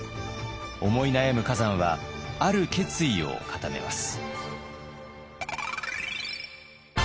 思い悩む崋山はある決意を固めます。